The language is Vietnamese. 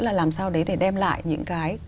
là làm sao đấy để đem lại những cái